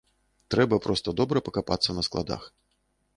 Трэба проста добра пакапацца на складах.